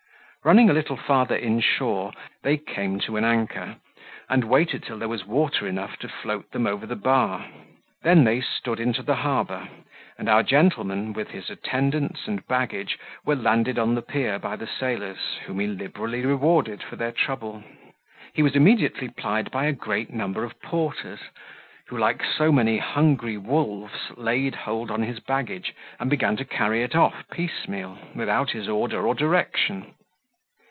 Running a little farther in shore, they came to an anchor, and waited till there was water enough to float them over the bar. Then they stood into the harbour; and our gentleman, with his attendants and baggage, were landed on the pier by the sailors, whom he liberally rewarded for their trouble. He was immediately plied by a great number of porters, who, like so many hungry wolves, laid hold on his baggage, and began to carry it off piecemeal, without his order or direction.